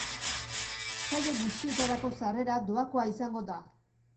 Saio guztietarako sarrera doakoa izango da.